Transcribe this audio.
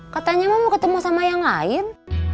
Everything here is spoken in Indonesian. katanya mau ketemu sama yang lain